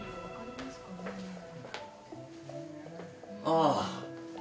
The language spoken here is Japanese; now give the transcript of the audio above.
ああ。